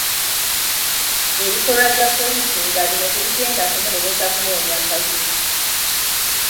Ebikolwa bya poliisi nga bino tebigenda kumulemesa kunoonya kalulu.